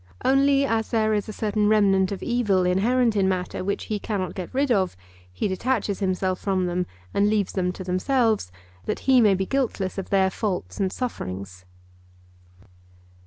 Only, as there is a certain remnant of evil inherent in matter which he cannot get rid of, he detaches himself from them and leaves them to themselves, that he may be guiltless of their faults and sufferings.